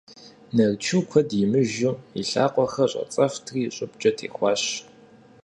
Нарчу куэд имыжу и лъакъуэхэр щӀэцӀэфтри щӀыбкӀэ техуащ.